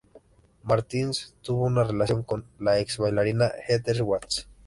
Martins tuvo una relación con la ex-bailarina Heather Watts.